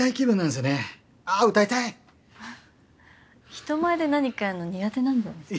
人前で何かやるの苦手なんだよね。